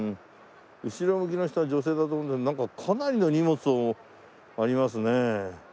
後ろ向きの人は女性だと思うんだけどなんかかなりの荷物をありますね。